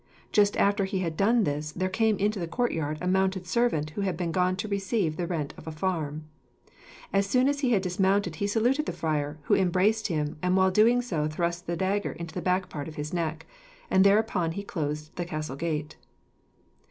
Just after he had done this, there came into the courtyard a mounted servant who had been gone to receive the rent of a farm. As soon as he had dismounted he saluted the friar, who embraced him, and while doing so thrust the dagger into the back part of his neck. And thereupon he closed the castle gate.